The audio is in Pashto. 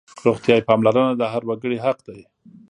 روغتیايي پاملرنه د هر وګړي حق دی.